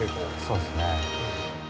◆そうですね。